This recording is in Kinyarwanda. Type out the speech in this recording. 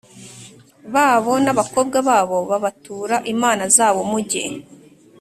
Babo n abakobwa babo babatura imana zabo mujye